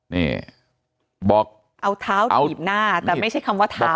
นี่บอกเอาเท้าถีบหน้าแต่ไม่ใช่คำว่าเท้า